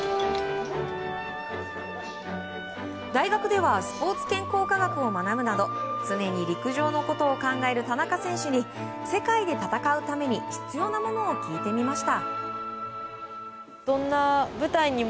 大学ではスポーツ健康科学を学ぶなど常に陸上のことを考える田中選手に世界で戦うために必要なものを聞いてみました。